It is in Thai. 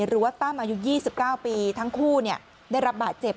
หรือว่าตั้งอายุ๒๙ปีทั้งคู่ได้รับบาดเจ็บ